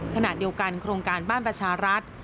ขณะเดียวกันโครงการบ้านประชารัฐ